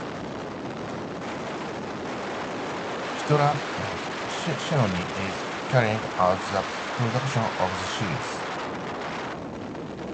Chitra Shenoy is carrying out the production of the series.